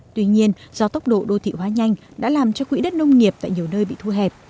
tuy nhiên do tốc độ đô thị hóa nhanh đã làm cho quỹ đất nông nghiệp tại nhiều nơi bị thua hẹp